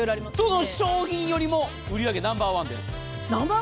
どの商品よりも売り上げナンバーワンです。